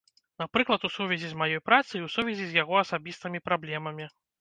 Напрыклад, у сувязі з маёй працай, у сувязі з яго асабістымі праблемамі.